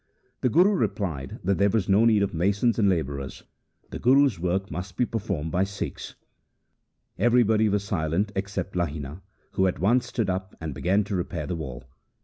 The Guru replied that there was no need of masons and labourers. The Guru's work must be performed by his Sikhs. Everybody was silent except Lahina, who at once stood up and began to repair the wall.